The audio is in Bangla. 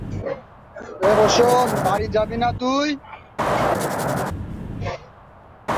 বিভবশক্তি বলের সাথে ঘনিষ্ঠভাবে জড়িত।